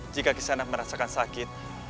jika kisana merasakan sakit